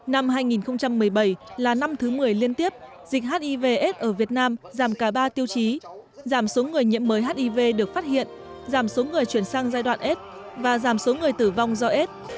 năm hai nghìn một mươi bảy là năm thứ một mươi liên tiếp dịch hivs ở việt nam giảm cả ba tiêu chí giảm số người nhiễm mới hiv được phát hiện giảm số người chuyển sang giai đoạn s và giảm số người tử vong do aids